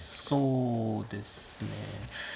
そうですね。